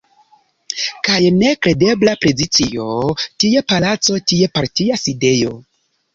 Kaj nekredebla precizo – tie palaco, tie partia sidejo.